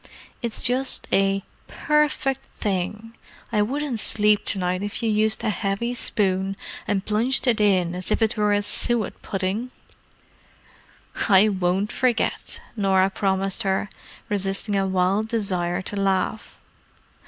It's just a perfect thing—I wouldn't sleep to night if you used a heavy spoon and plunged it in as if it was a suet pudding!" "I won't forget," Norah promised her, resisting a wild desire to laugh.